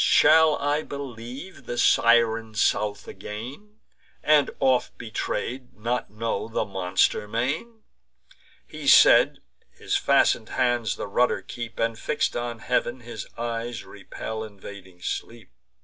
Shall I believe the Siren South again, And, oft betray'd, not know the monster main?" He said: his fasten'd hands the rudder keep, And, fix'd on heav'n, his eyes repel invading sleep.